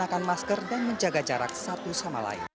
terus mengenakan masker dan menjaga jarak satu sama lain